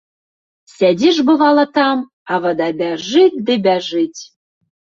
Сядзіш бывала там, а вада бяжыць ды бяжыць.